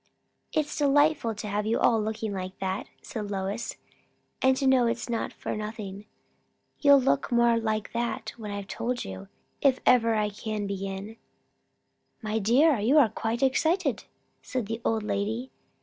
"It's delightful to have you all looking like that," said Lois, "and to know it's not for nothing. You'll look more 'like that' when I've told you if ever I can begin." "My dear, you are quite excited," said the old lady.